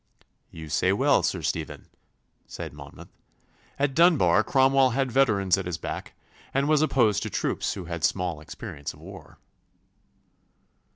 'You say well, Sir Stephen,' said Monmouth. 'At Dunbar Cromwell had veterans at his back, and was opposed to troops who had small experience of war.